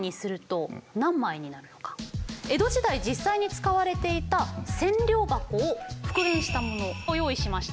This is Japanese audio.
江戸時代実際に使われていた千両箱を復元したものを用意しました。